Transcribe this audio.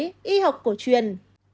cầu giấy y học cổ truyền